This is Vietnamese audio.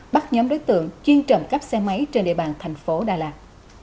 bắt nhóm đối tượng chuyên trộm cắp xe máy trên địa bàn thành phố đà lạt